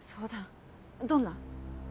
どんな？